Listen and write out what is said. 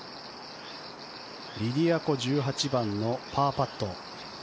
リディア・コ１８番のパーパット。